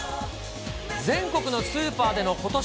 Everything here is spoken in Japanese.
全国のスーパーでのことし